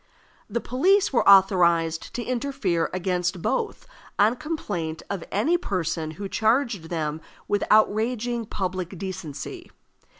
The police were authorized to interfere against both on complaint of any person who charged them with outraging public decency.